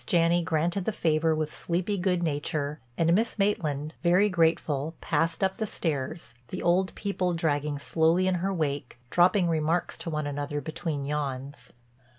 Janney granted the favor with sleepy good nature and Miss Maitland, very grateful, passed up the stairs, the old people dragging slowly in her wake, dropping remarks to one another between yawns.